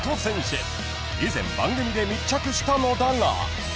［以前番組で密着したのだが］